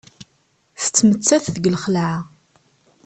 Tettmettat deg lxelɛa.